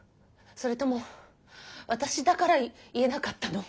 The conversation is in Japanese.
それとも私だから言えなかったの？